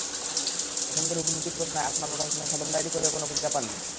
আসামিদের হুমকির ঘটনায় আছমা বেগম থানায় সাধারণ ডায়েরি করেও কোনো প্রতিকার পাননি।